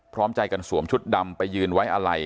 พร้อมใจกันสวมชุดดำไปยืนไว้อะไร